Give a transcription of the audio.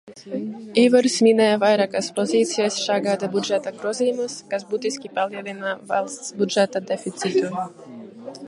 Ivars minēja vairākas pozīcijas šāgada budžeta grozījumos, kas būtiski palielina valsts budžeta deficītu.